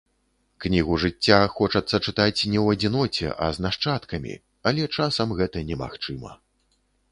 Кнігу жыцця хочацца чытаць не ў адзіноце, а з нашчадкамі, але часам гэта немагчыма.